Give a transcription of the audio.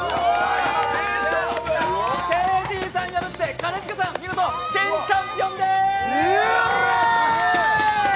ＫＺさん破って兼近さん、見事新チャンピオンです。